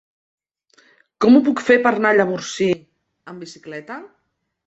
Com ho puc fer per anar a Llavorsí amb bicicleta?